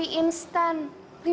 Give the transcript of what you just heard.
ehh hari masih luar biasa